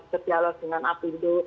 berdialog dengan abidul